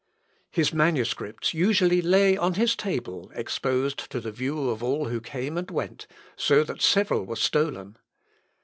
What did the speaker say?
His manuscripts usually lay on his table exposed to the view of all who came and went, so that several were stolen.